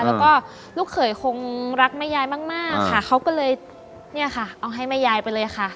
แล้วก็ลูกเขยคงรักแม่ยายมากมากค่ะเขาก็เลยเนี่ยค่ะเอาให้แม่ยายไปเลยค่ะ